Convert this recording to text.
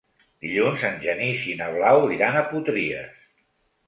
Dilluns en Genís i na Blau iran a Potries.